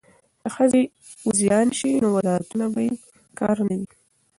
که ښځې وزیرانې شي نو وزارتونه به بې کاره نه وي.